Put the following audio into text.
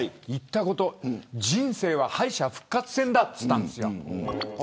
人生は敗者復活戦だって言ったんです。